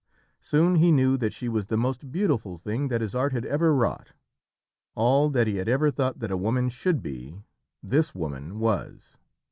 Soon he knew that she was the most beautiful thing that his art had ever wrought. All that he had ever thought that a woman should be, this woman was.